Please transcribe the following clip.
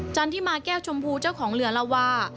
จันทิมาแก้วชมพูเจ้าของเรือเล่าว่า